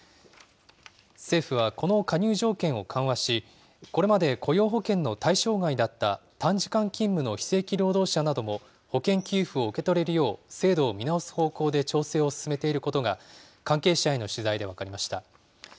政府はこの加入条件を緩和し、これまで雇用保険の対象外だった、短時間勤務の非正規労働者も、保険給付を受け取れるよう制度を見直す方向で調整を進めていることが、関係者への取材で分かりました。